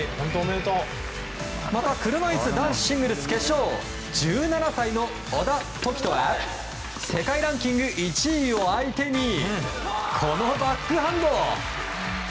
また、車いす男子シングルス決勝１７歳の小田凱人が世界ランキング１位を相手にこのバックハンド！